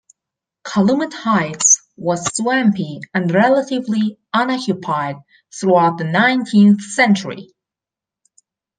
Calumet Heights was swampy and relatively unoccupied throughout the nineteenth century.